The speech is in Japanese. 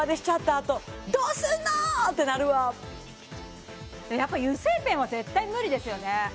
あとどうすんの！ってなるわやっぱ油性ペンは絶対無理ですよね